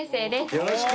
よろしく！